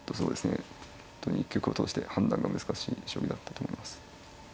本当に一局を通して判断が難しい将棋だったと思います。